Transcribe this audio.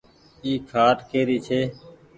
اي کآٽ ڪيري ڇي ۔